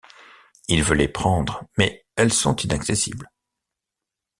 Il veut les prendre mais elles sont inaccessibles.